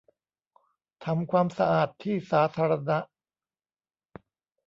ทำความสะอาดที่สาธารณะ